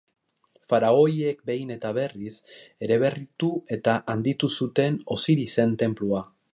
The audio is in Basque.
Faraoiek behin eta berriz eraberritu edo handitu zuten Osirisen tenplua.